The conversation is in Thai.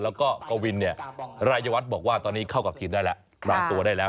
แล้วก็กวินะรายเยวัชบอกว่าเราตอนนี้เข้ากับทีมได้แล้ว